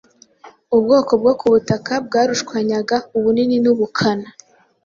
ubwoko bwo ku butaka bwarushanywaga ubunini n’ubukana